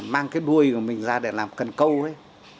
mang cái đuôi của mình ra để làm cần câu ấy